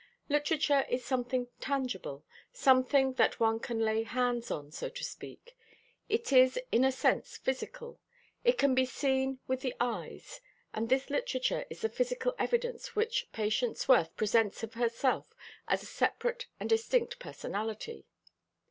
Literature is something tangible, something that one can lay hands on, so to speak. It is in a sense physical; it can be seen with the eyes. And this literature is the physical evidence which Patience Worth presents of herself as a separate and distinct personality.